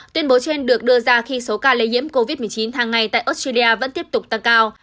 tuyên bố trên được đưa ra khi số ca lây nhiễm covid một mươi chín hàng ngày tại australia vẫn tiếp tục tăng cao